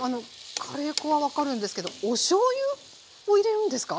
カレー粉は分かるんですけどおしょうゆを入れるんですか？